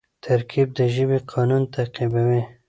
ترکیب د ژبي قانون تعقیبوي.